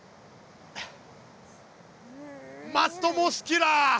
マストモスキュラー！